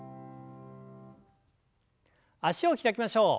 脚を開きましょう。